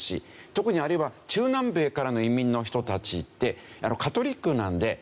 特にあるいは中南米からの移民の人たちってカトリックなんでなるべく